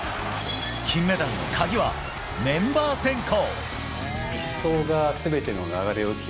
金メダルの鍵は、メンバー選考。